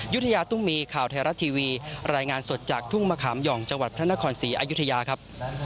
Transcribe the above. ยุธยาตุ้มีข่าวไทยรัฐทีวีรายงานสดจากทุ่งมะขามห่องจังหวัดพระนครศรีอายุทยาครับ